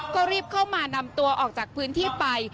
ก็รีบเข้ามานำตัวออกจากพื้นที่ไป